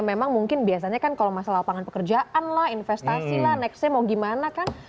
memang mungkin biasanya kan kalau masalah lapangan pekerjaan lah investasi lah nextnya mau gimana kan